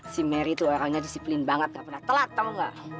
si merry tuh orangnya disiplin banget gak pernah telat tau gak